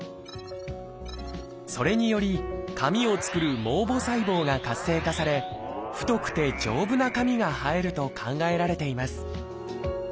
それにより髪を作る毛母細胞が活性化され太くて丈夫な髪が生えると考えられています